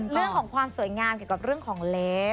เรื่องของความสวยงามเกี่ยวกับเรื่องของเลฟ